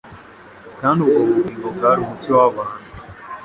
kandi ubwo bugingo bwari umucyo w'abantu.